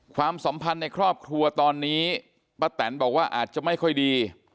ความสัมพันธ์ในครอบครัวตอนนี้ป้าแตนบอกว่าอาจจะไม่ค่อยดี